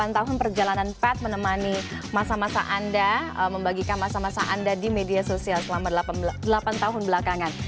delapan tahun perjalanan pad menemani masa masa anda membagikan masa masa anda di media sosial selama delapan tahun belakangan